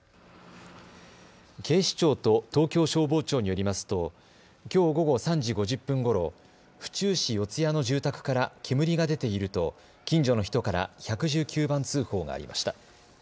警視庁と東京消防庁によりますときょう午後３時５０分ごろ、府中市四谷の住宅から煙が出ていると近所の人から１１９番通報がありました。